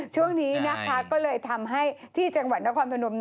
ช่วงนี้นะคะก็เลยทำให้ที่จังหวัดนครพนม